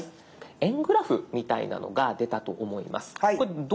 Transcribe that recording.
円グラフみたいなのが出たと思います。